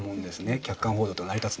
客観報道と成り立つのが。